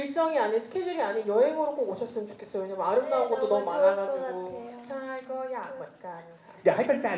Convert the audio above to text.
จะช่วยกันก็ยากว่าใครกัน